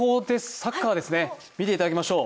サッカーですね、見ていただきましょう。